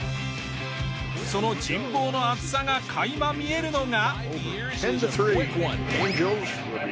その人望の厚さが垣間見えるのが。